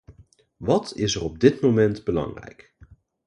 Wat is er op dit moment belangrijk?